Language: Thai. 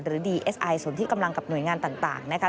ดีเอสไอส่วนที่กำลังกับหน่วยงานต่างนะคะ